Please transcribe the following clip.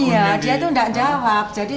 iya dia itu tidak jawab jadi